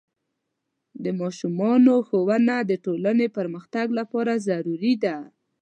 د ماشومانو ښوونه د ټولنې پرمختګ لپاره ضروري ده.